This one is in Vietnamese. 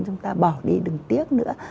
chúng ta bỏ đi đừng tiếc nữa